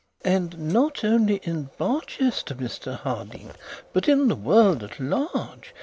'And not only in Barchester, Mr Harding, but in the world at large.